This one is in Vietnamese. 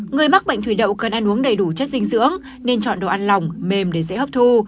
người mắc bệnh thủy đậu cần ăn uống đầy đủ chất dinh dưỡng nên chọn đồ ăn lòng mềm để dễ hấp thu